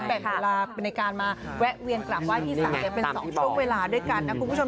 แบ่งเวลาในการมาแวะเวียนกลับไห้พี่สาวเป็น๒ช่วงเวลาด้วยกันนะคุณผู้ชม